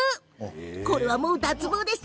これはもう脱帽です。